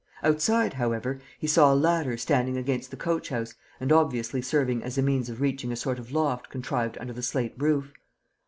Outside, however, he saw a ladder standing against the coach house and obviously serving as a means of reaching a sort of loft contrived under the slate roof.